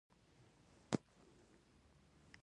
د ښکار اقتصاد کنټرول کیږي